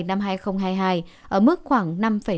năm hai nghìn hai mươi hai ở mức khoảng năm bảy